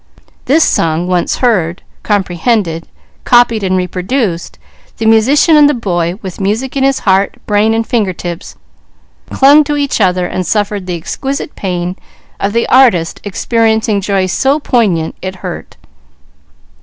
This song once heard, comprehended, copied, and reproduced, the musician and the boy with music in his heart, brain, and finger tips, clung to each other and suffered the exquisite pain of the artist experiencing joy so poignant it hurt.